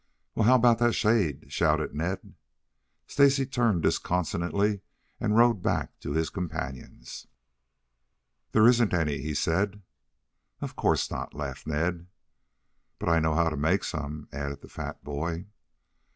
"Well, how about that shade?" shouted Ned. Stacy turned disconsolately and rode back to his companions. "There isn't any," he said. "Of course not," laughed Ned. "But I know how to make some," added the fat boy.